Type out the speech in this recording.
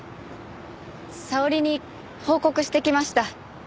沙織に報告してきました。